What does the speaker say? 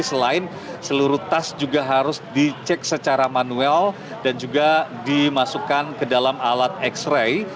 selain seluruh tas juga harus dicek secara manual dan juga dimasukkan ke dalam alat x ray